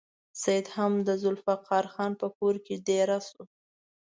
سید هم د ذوالفقار خان په کور کې دېره شو.